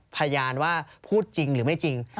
พยานว่าพูดจริงหรือไม่จริง